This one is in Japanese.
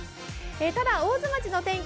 ただ、大津町の天気